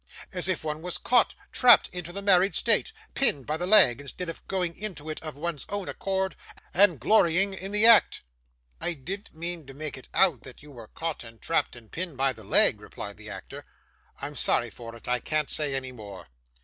As if one was caught, trapped into the married state, pinned by the leg, instead of going into it of one's own accord and glorying in the act!' 'I didn't mean to make it out, that you were caught and trapped, and pinned by the leg,' replied the actor. 'I'm sorry for it; I can't say any more.